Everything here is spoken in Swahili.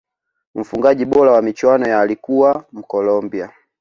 mfungaji bora wa michuano ya alikuwa mkolombia